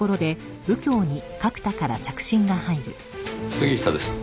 杉下です。